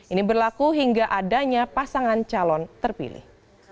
ini berlaku hingga adanya pasangan calon terpilih